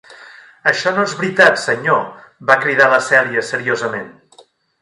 "Això no és veritat, senyor", va cridar la Celia seriosament.